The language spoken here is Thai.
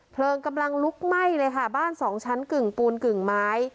เพลิงกำลังลุกไหม้เลยค่ะบ้านสองชั้นกึ่งปูนกึ่งไม้